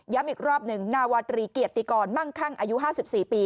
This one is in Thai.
อีกรอบหนึ่งนาวาตรีเกียรติกรมั่งคั่งอายุ๕๔ปี